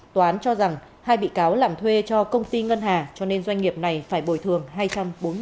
tòa án cho rằng hai bị cáo làm thuê cho công ty ngân hà cho nên doanh nghiệp này phải bồi thường hai trăm bốn mươi triệu đồng